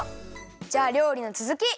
じゃありょうりのつづき！